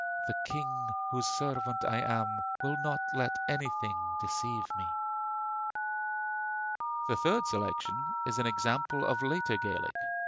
The King whose servant I am will not let Anything deceive me. The third selection is an example of later Gaelic.